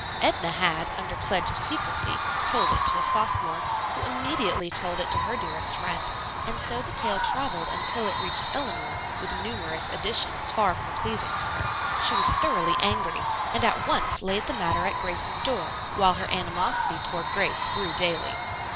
Edna had, under pledge of secrecy, told it to a sophomore, who immediately told it to her dearest friend, and so the tale traveled until it reached Eleanor, with numerous additions, far from pleasing to her. She was thoroughly angry, and at once laid the matter at Grace's door, while her animosity toward Grace grew daily.